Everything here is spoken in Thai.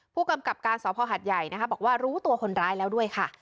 ผู้กำกับการสภหัดใหญ่นะคะบอกว่ารู้ตัวคนร้ายแล้วด้วยค่ะ